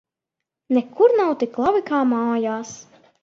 Nekur nav tik labi, kā mājās!